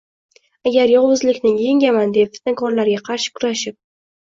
Agar yovuzlikni yengaman, deb fitnakorlarga qarshi kurashib